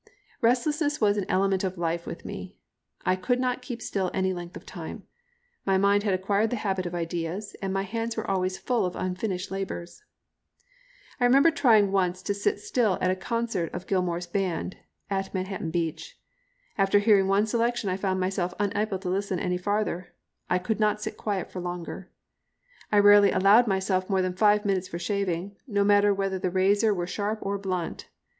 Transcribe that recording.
Restlessness was an element of life with me. I could not keep still any length of time. My mind had acquired the habit of ideas, and my hands were always full of unfinished labours. I remember trying once to sit still at a concert of Gilmore's band, at Manhattan Beach. After hearing one selection I found myself unable to listen any farther I could not sit quiet for longer. I rarely allowed myself more than five minutes for shaving, no matter whether the razor were sharp or blunt.